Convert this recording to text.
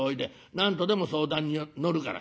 何度でも相談に乗るから。